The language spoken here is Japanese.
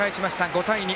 ５対２。